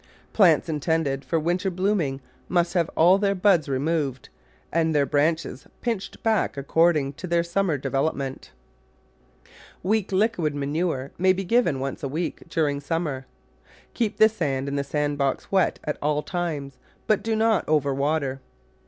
Plants intended for winter blooming must have all their buds removed and their branches pinched back according to their summer development. Weak liquid manure may be given once a week during summer. Keep the sand in the sand box wet Digitized by Google 52 The Flower Garden at all times, but do not over water.